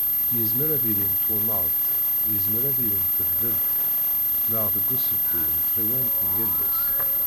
Yezmer ad yili n twennaḍt, yezmer ad yili n tedbelt neɣ deg useddu n tɣiwant n yal ass.